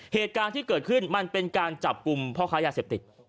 เหตุการณ์ที่เกิดขึ้นมันเป็นการจับกลุ่มพ่อค้ายาเสพติด